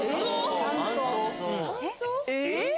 ・えっ？